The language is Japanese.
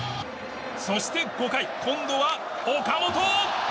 そして５回、今度は岡本！